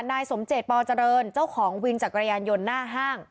นายสมเจตปเจริญเจ้าของวินจักรยานยนต์หน้าห้าง